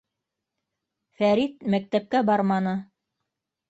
Фәрит мәктәпкә барманы.